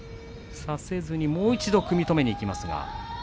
差せずにもう一度組み止めにいきました。